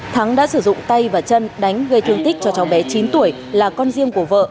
thắng đã sử dụng tay và chân đánh gây thương tích cho cháu bé chín tuổi là con riêng của vợ